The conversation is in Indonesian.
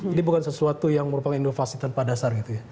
ini bukan sesuatu yang merupakan inovasi tanpa dasar gitu ya